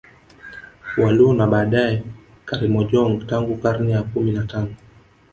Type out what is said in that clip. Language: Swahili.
Waluo na baadae Karimojong tangu karne ya kumi na tano